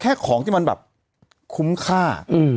แค่ของที่มันแบบคุ้มค่า